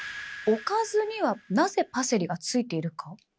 おかずにはなぜパセリがついているか？